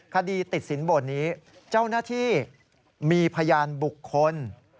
คดีติดสินบนนี้เจ้าหน้าที่มีพยานบุคคล